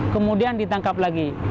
kemudian ditangkap lagi